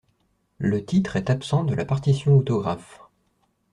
Le titre est absent de la partition autographe.